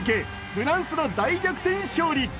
フランスが大逆転勝利。